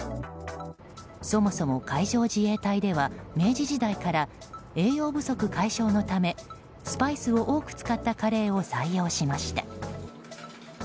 そもそも海上自衛隊では明治時代から栄養不足解消のためスパイスを多く使ったカレーを採用しました。